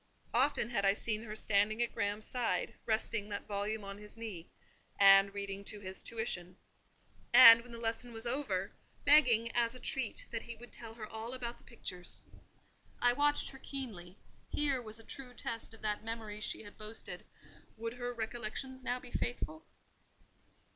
Often had I seen her standing at Graham's side, resting that volume on his knee, and reading to his tuition; and, when the lesson was over, begging, as a treat, that he would tell her all about the pictures. I watched her keenly: here was a true test of that memory she had boasted; would her recollections now be faithful?